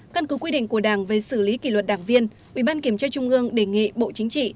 căn cứ quy định của đảng về xử lý kỷ luật đảng viên ủy ban kiểm tra trung ương đề nghị bộ chính trị